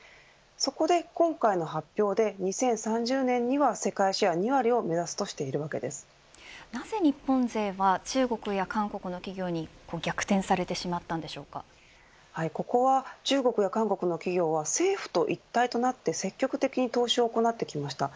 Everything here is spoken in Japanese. そこで今回の発表で２０３０年には世界シェア２割をなぜ日本勢は中国や韓国の企業に逆転されてここは中国や韓国の企業は政府と一体となり積極的に投資を行ってきました。